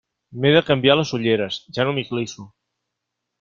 M'he de canviar les ulleres, ja no m'hi clisso.